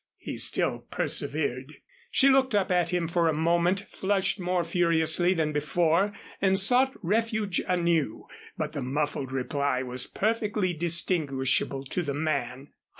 he still persevered. She looked up at him for a moment, flushed more furiously than before and sought refuge anew. But the muffled reply was perfectly distinguishable to the man.